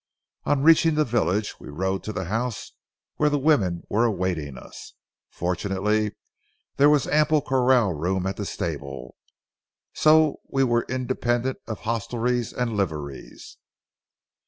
On reaching the village, we rode to the house where the women were awaiting us. Fortunately there was ample corral room at the stable, so we were independent of hostelries and liveries.